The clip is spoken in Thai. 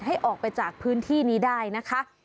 ให้ออกไปจากพื้นที่นี้ได้นะคะ